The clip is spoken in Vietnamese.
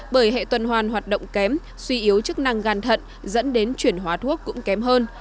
bởi hệ tuần hoàn hoạt động kém suy yếu chức năng gan thận dẫn đến chuyển hóa thuốc cũng kém hơn